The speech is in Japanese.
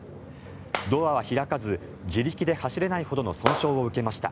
ドアは開かず自力で走れないほどの損傷を受けました。